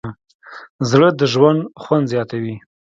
زړه د ژوند خوند زیاتوي.